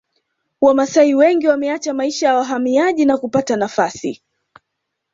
Wamasai wengi wameacha maisha ya wahamaji na kupata nafasi